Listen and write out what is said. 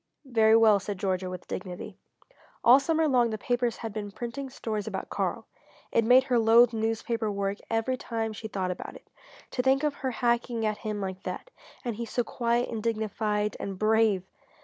"Very well," said Georgia, with dignity. All summer long the papers had been printing stories about Karl. It made her loathe newspaper work every time she thought about it. To think of their hacking at him like that and he so quiet and dignified and brave!